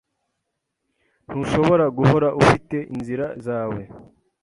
Ntushobora guhora ufite inzira zawe.